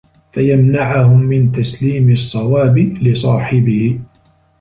فَيَمْنَعَهُمْ مِنْ تَسْلِيمِ الصَّوَابِ لِصَاحِبِهِ